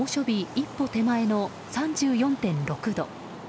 一歩手前の３４．６度。